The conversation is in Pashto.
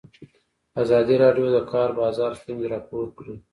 ازادي راډیو د د کار بازار ستونزې راپور کړي.